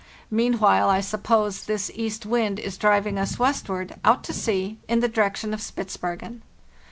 Meanwhile, I sup pose, this east wind is driving us westward, out to sea, in the direction of Spitzbergen.